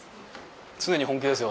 常に本気ですよ